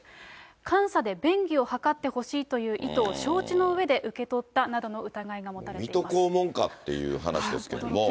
監査で便宜を図ってほしいという意図を承知の上で受け取ったなど水戸黄門かっていう話ですけども。